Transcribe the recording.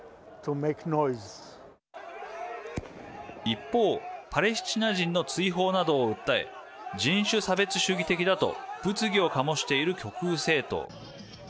一方パレスチナ人の追放などを訴え人種差別主義的だと物議を醸している極右政党。